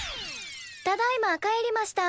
ただいま帰りました。